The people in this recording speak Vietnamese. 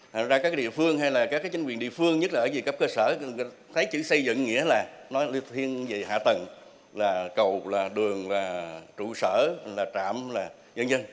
thế ra các địa phương hay các chính quyền địa phương nhất là ở cấp cơ sở thấy chữ xây dựng nghĩa là hạ tầng là cầu là đường là trụ sở là trạm là dân dân